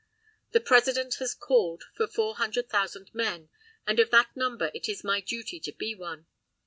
The President has called for four hundred thousand men, and of that number it is my duty to be one.